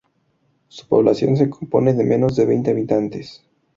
Su población se compone de menos de veinte habitantes.